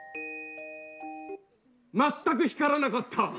全く光らなかった。